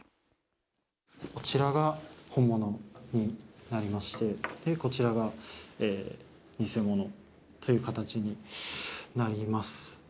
こちらが本物になりまして、こちらが偽物という形になります。